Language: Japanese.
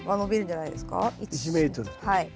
はい。